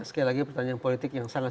sekali lagi pertanyaan politik yang sangat